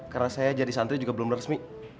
karena saya jadi santri juga belum resmi